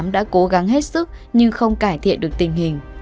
đã cố gắng hết sức nhưng không cải thiện được tình hình